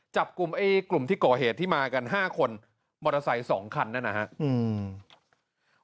จับกลุ่มไอ้กลุ่มที่ก่อเหตุที่มากันห้าคนมอเตอร์ไซค์สองคันนั่นนะครับ